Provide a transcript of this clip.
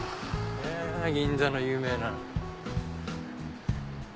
銀座の有名な。